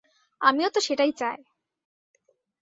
আমিও তো সেটাই চাই।